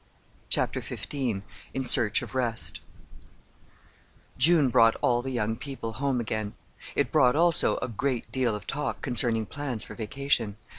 CHAPTER XV IN SEARCH OF REST June brought all the young people home again. It brought, also, a great deal of talk concerning plans for vacation.